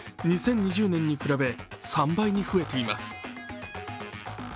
２０２０年に比べ３倍に増えています。